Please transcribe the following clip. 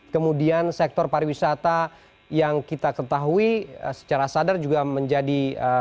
kemudian sektor pariwisata yang kita ketahui secara sadar juga menjadi